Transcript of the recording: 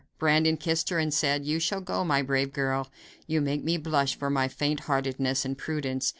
Brandon kissed her and said: "You shall go, my brave girl. You make me blush for my faint heartedness and prudence.